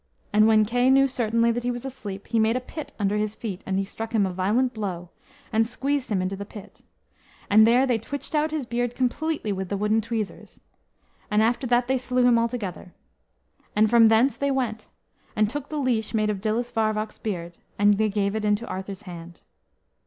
And when Kay knew certainly that he was asleep, he made a pit under his feet, and he struck him a violent blow, and squeezed him into the pit. And there they twitched out his beard completely with the wooden tweezers, and after that they slew him altogether. And from thence they went, and took the leash made of Dillus Varwawc's beard, and they gave it into Arthur's hand.